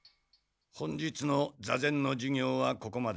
・本日の坐禅の授業はここまで。